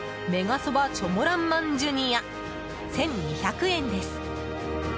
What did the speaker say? そばチョモランマンＪｒ１２００円です。